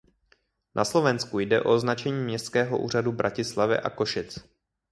Na Slovensku jde o označení městského úřadu Bratislavy a Košic.